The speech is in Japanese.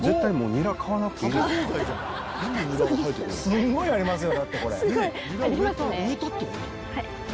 すごいありますね。